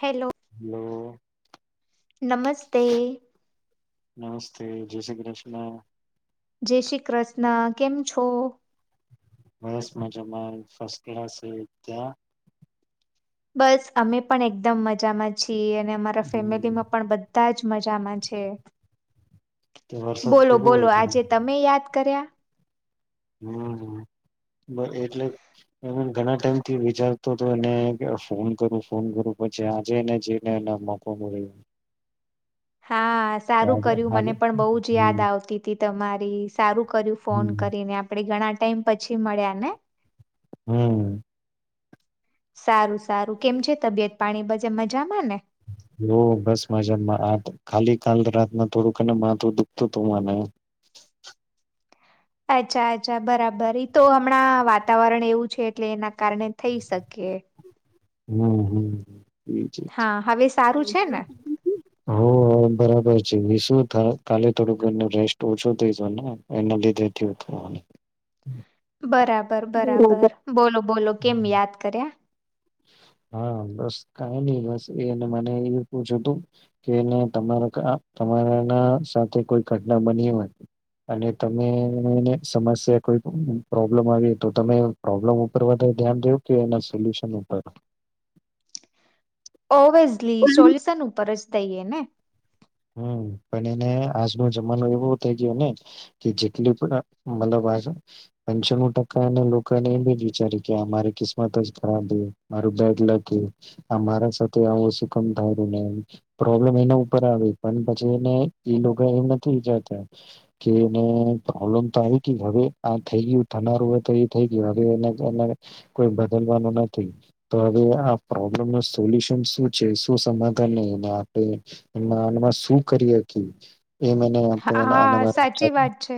Hello hello. નમસ્તે. નમસ્તે જે શ્રી કૃષ્ણ જે શ્રી કૃષ્ણ કેમ છો. બસ મજામાં ફસ્ટ ક્લાસ છે ત્યાં બસ અમે પણ એકદમ મજામાં છીએ અને અમારા હમ, ફેમિલીમાં પણ બધા જ મજામાં છે. તે વરસાદ બોલો કેવું બોલો હોય ત્યાં આજે તમે યાદ કર્યા. હમ્મ એટલે એમ ઘણા ટાઈમ થી વિચારતો હતો એને ફોન કરું ફોન કરું પછી આજેને જઈને એ મોકો મળ્યો. હા તો સારું આજે કર્યું આજે મને પણ બહુ જ યાદ હમ આવતી તી તમારી. સારું કર્યું ફોન હમ કરીને આપણે ઘણા ટાઈમ પછી મળ્યા ને. હમ્મ. સારું સારું કેમ છે તબિયત પાણી બજે મજામાં ને. હો બસમાં જન્માં આ ખાલી કાલ રાતના થોડુંક ને માથું દુખતું હતું મને આ ચા ચા બરાબર. તો હમણાં વાતાવરણ એવું છે એટલે એના કારણે થઈ શકે. હમ્મ હમ્મ. હા હવે સારું છે ને હો બરાબર. કાલે થોડું ઘર રેસ્ટ ઓછો થઈ જ ને એના લીધે થતું. બરાબર બરાબર બોલો બો. બોલો કેમ યાદ કર્યા. હા બસ કઈ નહી બસ એને મને એવ પૂછ્યું હતું કેને તમારા તમારા સાથે કોઈ ઘટના બની હોય અને તમેને સમસ્યા કોઈ પ્રોબ્લેમ આવી તો તમે પ્રોબ્લમ ઉપર વધારે ધ્યાન દેવો કે એના સોલ્યુશન. [unintelligible] ઓવસલી સોલ્યુસન ઉપર જ. થઈએ ને. હમ પણ એને આજનો જમાનો એવો થઇ ગયો ને કે જેટલી પણ મતલબ આ પંચાનું ટકા એ લોકો એને એ બીજું વિચારે કે આ મારી કિસ્મત જ ખરાબ મારું બેડ લખ આ મારા સાથે આવું શું કમ થારું ને પ્રોબ્લેમ એના ઉપર આવી. એ લોકો એ નથી વિચારતા કે એને પ્રોબ્લેમ તો આવી ગઈ હવે આ થઈ ગયું થનારું હોય તો એ થઈ ગયું હવે કોઈ બદલવાનું નથી તો હવે આ પ્રોબ્લેમ ન સોલ્યુશન શું છે શું સમાધાન આપે શું કરીએકી. એ મને હા આર સાચી વાત છે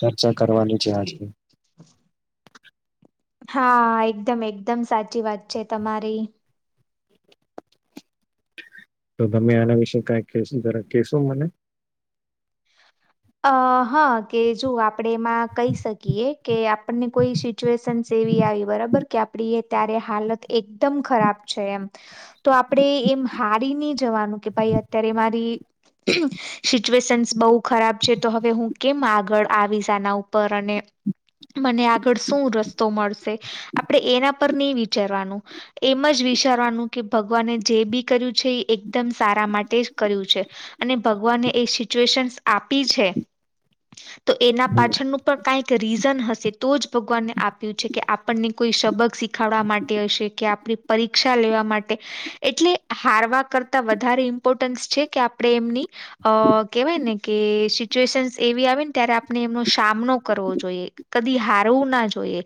ચર્ચા કરવાની છે આજે. [inaudible] હા એકદમ એકદમ સાચી વાત છે તમારી. તો તમે આના વિશે કાંઈ કેશો મને. અ હા કે જો આપણેે એમાં કહી શકીએ કે આપણને કોઈ સિચ્યુએશન્સ એવી આવી બરાબર કે આપડી અત્યારે હાલત એકદમ ખરાબ છે એમ તો આપણે એમ હારી નહી જવાનું કે ભાઈ અત્યારે મારી સિચ્યુએશન્સ બહુ ખરાબ તો હવે હું કેમ આગળ આવીઝાના ઉપર અને મને આગળ શું રસ્તો મળશે આપણે એના પર નહી વિચારવાનું એમ જ વિચારવાનું કે ભગવાને જે બી કર્યું છે એ એકદમ સારા માટે કર્યું છે અને ભગવાને એ સિચ્યુએશન આપ પી છે. તો એના પાછળનું પણ કઈક રીઝન હશે તો જ ભગવાનને આપ્યું છે કે આપણને કોઈ શબક શીખાડવા માટે હશે કે આપણી પરીક્ષા લેવા માટે એટલે હારવા કરતા વધારે ઇમ્પોર્ટન્સ છે કે આપણે એમની અ કેહેવાય ને કે સિચ્યુએશનસ એવી આવી ને ત્યારે આપણે એમનો સામનો કરવો જોઈએ કદી હારવું ના જોઈએ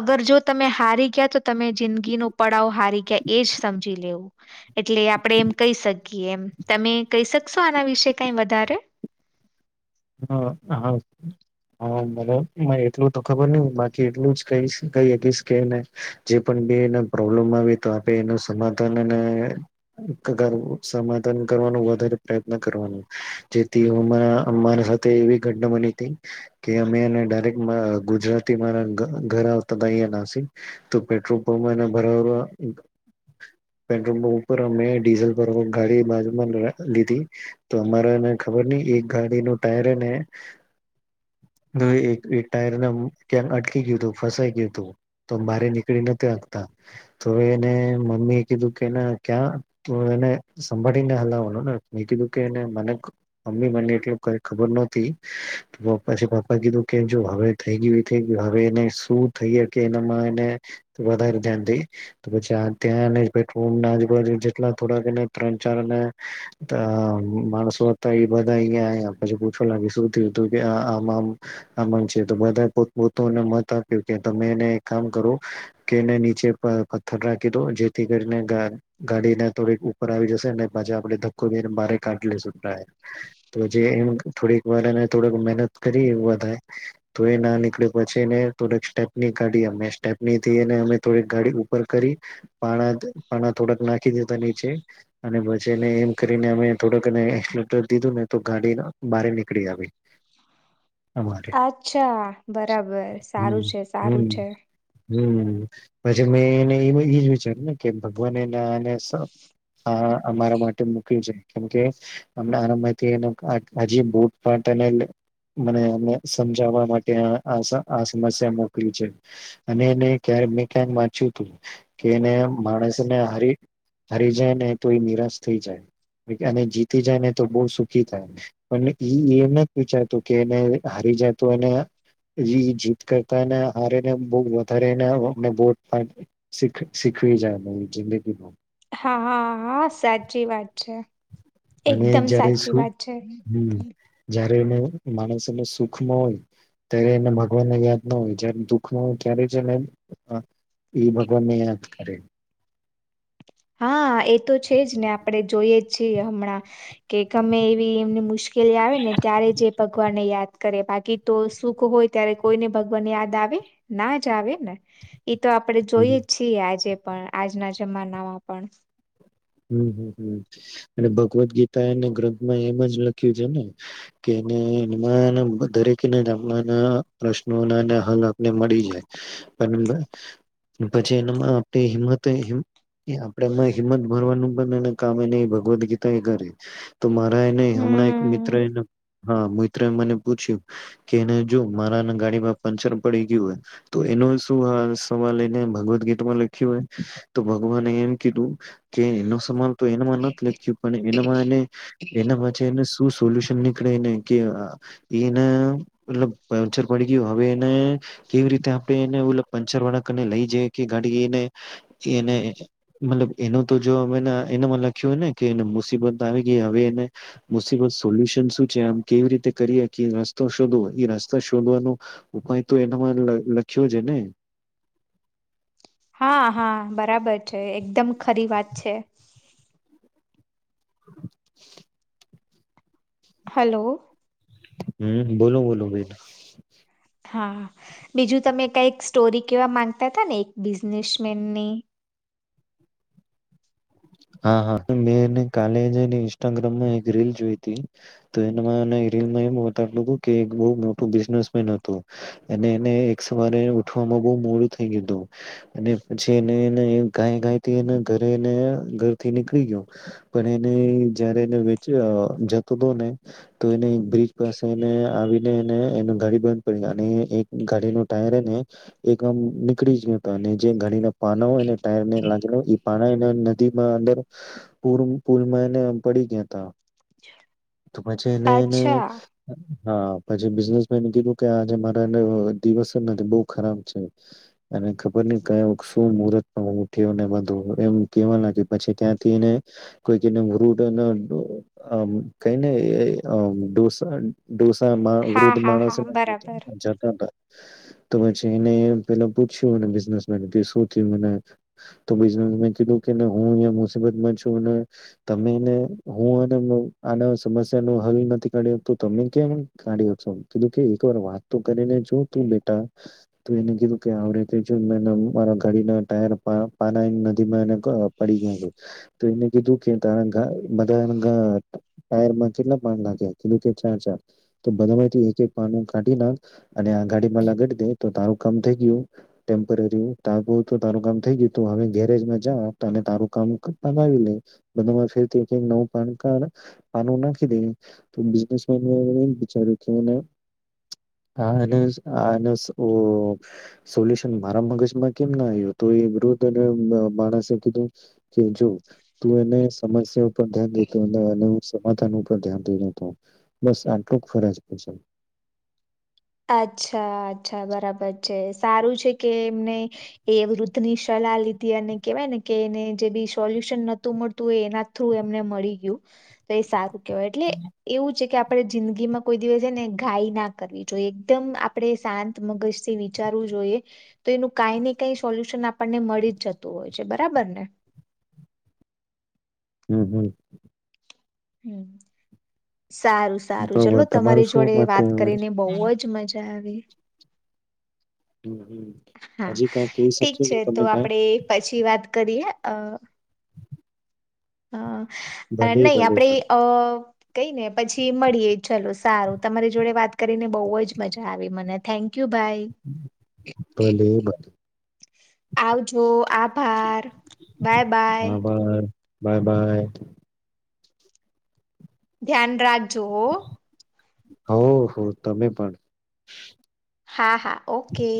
અગર જો તમે હારી ગયા તો તમે જિંદગીનો પડાવ હારી ગયા એ જ સમજી લેવું એટલે આપણે એમ કહી શકીએ એમ તમે કહી શકશો આના વિશે કઈ વધારે. હ હ હ મને એટલું તો ખબર નહી બાકી એટલું જ ક કશ કેને જે પણને પ્રોબ્લેમ આવે તો આપે એનું સમાધાન અને સમાધાન કરવાનું વધારે પ્રયત્ન કરવાનું જેથી હું એવી ઘટના બની હતી કે અમે ડાયરેક્ટ ગુજરાત થી મારા ઘર આવતા અયાના તો પેટ્રોલ પંપ ભરા પેટ્રોલ પંપ ઉપર અમે ડીઝલ પર ગાડી બાજુમાં લીધી તો અમારાને ખબર નહી એક ગાડી ન ને ટાયરને ક્યાંક અટકી ગયું તું ફસાઈ ગયું તું તો બારે નીકળી નથી રાતા તો એને મમ્મી એ કીધું કે ક્યાં તું એને સંભાળીને હલાવવાનું ને મે કીધું કે મને મમ્મી મને એટલું ખબર નોતી પ્પા પપ્પા કીધું કે જો હવે થઈ ગયું એ થઈ ગયું હવે એને શું થઈ કે એના એને વધારે ધ્યાન દઈ પછી ત્યાં આજુબાજુ જેટલા થોડાક એને ત્રણ ચારને માણસો હતા એ બધા અહીં શું થયું આમ આમ છે બધા પોત પતાને મત આપ્યું કે તમે એને એક કામ કરો કે એને નીચે પથ્થર રાખી દો જેથી કરીને ગાડીને થોડીક ઉપર આવી જશે પછી આપ ધક્કોને બહાર કાઢી લેશું તો જે થોડીક વાર એ થોડક મહેનત કરી એવ થાય તો એ ના નીકળે પછીને થોડક સ્ટેપની કાઢી અમે સ્ટેપની થને અમે થોડીક ગાડી ઉપર કરી પા પાણા થોડાક નાખી દીધ નીચે અને પછીને એમ કરીને અમે થોડક એકશીલીટર તો ગાડી બારે નીકળ આવી અમારે અચ્છા બરાબર સારું હમ છે હમ સારું છે હમ પછી મેં એને એ એજ વિચાર્યું ને કે ભગવાન એને અમારા માટે મુક્યું છે કેમકે આનામાંથી હજી બુંટ માટેને મને એને સમજાવવા માટે આ સમસ્યા મોકલી છે અને એને ક્યારે મેં ક્યા વાંચ્યું તું કે એને માણસને હ હારી જાય ને તો એ નિરાશ થઈ જાય અને જીતી જાય ને તો બહુ સુખી થાય પણ એમ નથી વિચારતું કે એને હારી જતું અને એ જીત કરતાને હારે ને બહુ વધારે શીખવી જાય જિંદગીમાં હા હ હા સાચી વાત છે અને એકદમ સાચી વાત છે હમ જ્યારે એને માણસને સુખ હોય ત્યારે એને ભગવાનને યાદ ના હોય જય દુખ ન હોય ત્યારે જ એને ભગવાને યાદ કરે હા એ તો છે જ ને આપણેે જોઈએ જ છીએ હમણાં કે ગમે એવી એમની મુશ્કેલી આવે ને ત્યારે જ ભગવાનને યાદ કરે બાકી તો સુખ હોય ત્યારે કોઈને ભગવાન યાદ આવે ના જ આવે ને એ તો આપડે હમ જોઈએ જ છીએ આજે પણ આજના જ જમાનામાં પણ હમ્મ હમ્મ હમ્મ અને ભગવદ્ ગીતા એને ગ્રંથમાં એમ જ લખ્યું છે ને કેને એમાં દરેક [unintelligible] પ્રશ્નો ના હલ આપને મળી જાય પછી એનામાં આપડે હિંમત આપણે એમાં હિંમત મરવાનું પણ એ કામે નહી ભગવદ્ ગીતા એ કરે તો મારા એને હમણાં એક મિત્ર હમ એને હા મને પૂછ્યું કે એને જો મારા ગાડીમાં પંચર પડી ગયું હોય તો એનો શું સવાલ એને ભગવદ ગીતમાં લખ્યું હોય તો ભગવાને એમ કીધું કે એનો [unintelligible] તો એનામાં નથી લખ્યું પણ એનામાં એને એના પછી સોલ્યુશન નીકળેને કે એને મતલબ પંચર પડી ગયું હવે એને કેવી રીતે આપણે એને ઓલા પંચર વાળા કરીને લઈ જઈ કે ગાડી એને એને મતલબ એનો તો જો અમે એનામાં લખ્યો હોય ને કે એને મુસીબત આવી ગઈ હવે એને મુસીબત સોલ્યુશન શું છે આમ કેવી રીતે કરીએ કે રસ્તો શોધવો એ રસ્તા શોધવાનો ઉપાય તો એનામાં લખ્યો છે ને હા હા બરાબર છે. એકદમ ખરી વાત છે. [inaudible] હલો હમ્મ બોલો બોલો બેન હા બીજું તમે કઈક સ્ટોરી કેવા માંગતા હતા ને એક બિઝનેસમેનની હા મેંને કાલે ઇન્સ્ટાગ્રામમાં એક રીલ જોઈ હતી તો એ રીલમાં એમ બતાલું કે એક બો મોટું બિઝનેસ મેન હતું અને એ એક સવારે ઉઠવામાં બો મોડું થઈ ગયતું અને પછી ગાય ગાય ઘરે ને ઘરથી નીકળી ગયો પણ એને જયારે એને [unintelligible] જતો હતો ને તો એને બ્રિજ પાસે આવીને એ ગાડી બંધ પડી અને એક ગાડીનો ટાયરને એક આમ નીકળી ગયો હતો અને જે ગાડીના પાના હોય ને [unintelligible] [unintelligible] અંદર પુલમાં એને પડી ગયા હતા. તો પછી એને એને અચ્છા હા પછી બિઝનેસ મેન કીધું કે આજે મારા દિવસ જ નથી બો ખરાબ છે અને ખબર નય ક્યાં શું મુહર્ત ઉઠ્યોને બધું એમ પછી ત્યાંથી એને કોઈ [unintelligible] મા હા વૃદ્ધ હા હા માણસો બરાબર ચાલતાતા તો પછી એને પેલા પૂછ્યુંને બિઝનેસમેને કે શું થયું [unintelligible] હું મુસીબતમાં છું તમેને હું આના સમસ્યા નો હલ નથી કાઢ્યો તમે કેમ કાઢ્યો છો કીધું કે એક વાર વાત તો કરીને જો તું બેટા એને કીધું કે આવ રીતે જો મારા ગાડીના ટાયર પાના નદીમાં પડી ગયા છે. તો એમને કીધુ કે [unintelligible] કેટલા પાન લાગ્યાી કે ચાર ચાર તો બધામાંથી એક એક પાનું કાઢી નાખ અને આ ગાડીમાં લગાડી દે તો તારું કામ થય ગયું ટેમ્પરીરું કામ થય ગયું ગેરેજ માં જા તને તારું કામ [unintelligible] પાનું નાખી દે તો બીઝનેસ મેન એ વિચાર્યું આ સોલ્યુન મારા મગજમાં કેમ ના આવ્યો તો એ વૃદ્ધ અને માણસ એ કીધું કે જો તું એને સમસ્યા ઉપર ધ્યાન દેતો અને સમાધાન ઉપર ધ્યાન દેતો હતો બસ આટલું ફરજ છે અચ્છા અચ્છા બરાબર છે સારું છે કે એમને એ વૃદ્ધની સલાહ લીધી અને કેવાય ને કે એને જે બી સોલ્યુશન નોતું મળતું હોય એના થ્રુ એમને મળી ગયું તો એ સારું કેવાય એટલે એવું છે કે આપણે જિંદગીમાં કોઈ દિવસે ને ગાય ના કરવી જો એકદમ આપણે શાંત મગજથી વિચારવું જોઈએ તો એનું કઈ ને કઈ સોલ્યુશન આપણને મળી જ જતું હોય છે. બરાબર ને? હમ્મ, હમ્મ [inaudible] સારું સારું બરોબર ચલો તમારું તમારી શું જોડે મત વાત એ વડે? કરીને બહુ હમ જ મજા આવી. હમ. હા હજી કઈ કહી ઠીક શકશો કે છે તો તમે કઈ આપડે પછી વાત કરીએ. [inaudible] હા ભલે નહી ભલે આપણેે વાંધો- અ કઈ ને પછી મળીએ ચલો સારું તમારી જોડે વાત કરીને બહુ જ મજા આવી મને થેન્ક યુ. ભાઈ ભલે ભલે આવજો આભાર બાય બાય. હા બાય બાય બાય ધ્યાન રાખજો. હો હો તમે પણ. હા હા ઓકે.